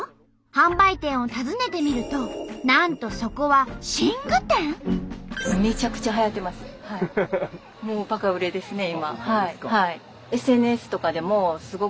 販売店を訪ねてみるとなんとそこはめちゃくちゃ柔らかいですね。